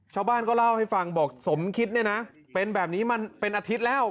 ชาวบ้านก็เล่าให้ฟังบอกสมคิดเนี่ยนะเป็นแบบนี้มาเป็นอาทิตย์แล้ว